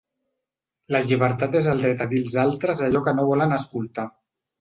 La llibertat és el dret a dir als altres allò que no volen escoltar.